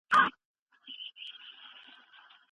د جرګې د اصولو ساتل زموږ د ملي کلتور ساتل دي.